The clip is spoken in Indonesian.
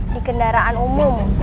di kendaraan umum